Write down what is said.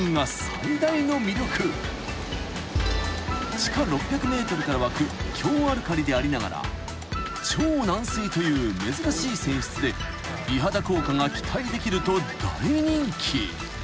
［地下６００ｍから湧く強アルカリでありながら超軟水という珍しい泉質で美肌効果が期待できると大人気］